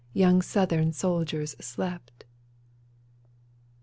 Young Southern soldiers slept.